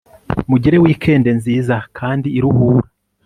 mugire weekend nziza kandi iruhura